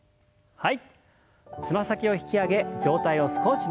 はい。